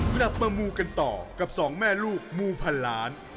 กลับมามูกันต่อกับสองแม่ลูกมูพันล้าน